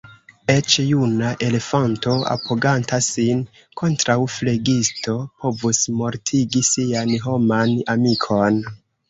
Eĉ juna elefanto, apoganta sin kontraŭ flegisto, povus mortigi sian homan amikon.